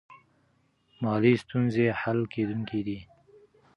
مالي ستونزې حل کیدونکې دي.